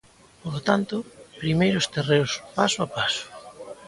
Polo tanto, primeiro os terreos, paso a paso.